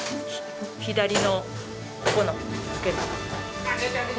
左のここの付け根。